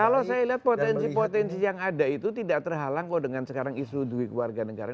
kalau saya lihat potensi potensi yang ada itu tidak terhalang kok dengan sekarang isu duit warga negara